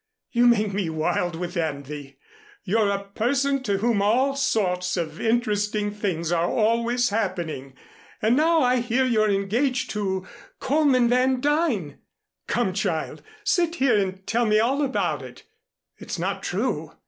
"You make me wild with envy. You're a person to whom all sorts of interesting things are always happening. And now I hear you're engaged to Coleman Van Duyn. Come, child, sit here and tell me all about it." "It's not true.